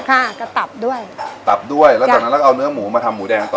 ค่ะก็ตับด้วยตับด้วยแล้วจากนั้นเราก็เอาเนื้อหมูมาทำหมูแดงกันต่อ